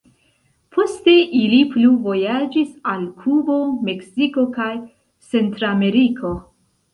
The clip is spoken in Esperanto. Poste ili plu vojaĝis al Kubo, Meksiko kaj Centrameriko.